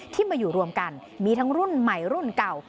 ที่มาอยู่รวมกันมีทั้งรุ่นใหม่รุ่นเก่า